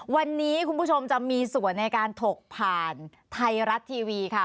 วันนี้คุณผู้ชมจะมีส่วนในการถกผ่านไทยรัฐทีวีค่ะ